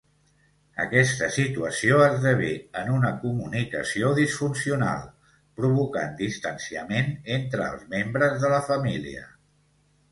Aquesta situació esdevé en una comunicació disfuncional, provocant distanciament entre els membres de la família.